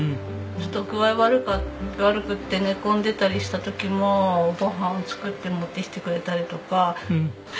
ちょっと具合が悪くて寝込んでたりした時もご飯を作って持ってきてくれたりとか。